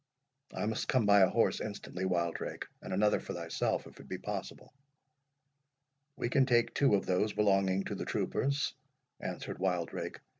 "I must come by a horse instantly, Wildrake, and another for thyself, if it be possible." "We can take two of those belonging to the troopers," answered Wildrake.